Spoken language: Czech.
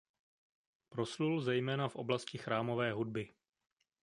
Proslul zejména v oblasti chrámové hudby.